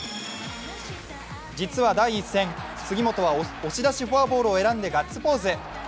実は第１戦、杉本は押し出しフォアボールを選んでガッツポーズ。